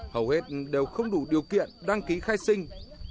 hầu hết đều không đủ điều kiện đăng ký khai sinh